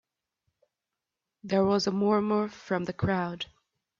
There was a murmur from the crowd.